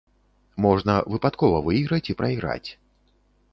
Можна выпадкова выйграць і прайграць.